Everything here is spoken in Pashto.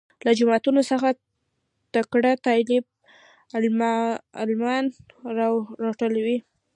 له جوماتو څخه تکړه طالب العلمان راټولوي.